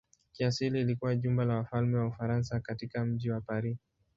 Kiasili ilikuwa jumba la wafalme wa Ufaransa katika mji wa Paris.